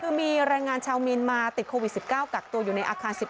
คือมีแรงงานชาวเมียนมาติดโควิด๑๙กักตัวอยู่ในอาคาร๑๑